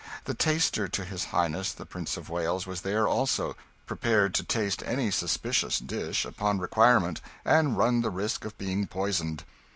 The Taster to his highness the Prince of Wales was there also, prepared to taste any suspicious dish upon requirement, and run the risk of being poisoned.